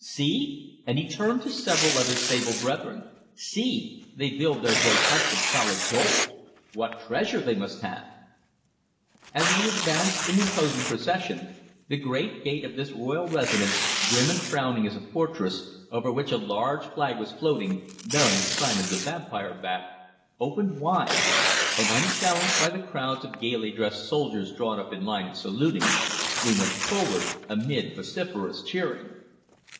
"See!" and he turned to several of his sable brethren. "See! they build their great huts of solid gold! What treasure they must have!" As we advanced in imposing procession, the great gate of this royal residence, grim and frowning as a fortress, over which a large flag was floating, bearing the sign of the vampire bat, opened wide, and, unchallenged by the crowds of gaily dressed soldiers drawn up in line and saluting, we went forward amid vociferous cheering.